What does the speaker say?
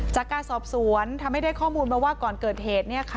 จากการสอบสวนทำให้ได้ข้อมูลมาว่าก่อนเกิดเหตุ